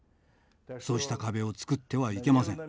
そうした壁を作ってはいけません。